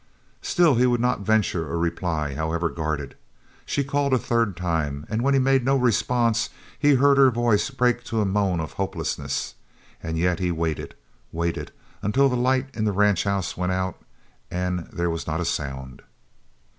Still he would not venture a reply, however guarded. She called a third time, and when he made no response he heard her voice break to a moan of hopelessness. And yet he waited, waited, until the light in the ranch house went out, and there was not a sound.